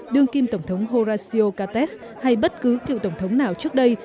đương kim tổng thống horacio kates hay bất cứ cựu tổng thống nào trước đây